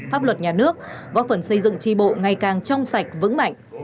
pháp luật nhà nước góp phần xây dựng tri bộ ngày càng trong sạch vững mạnh